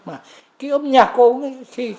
mà cái âm nhạc của cô